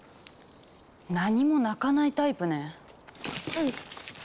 何も鳴かないタイプね。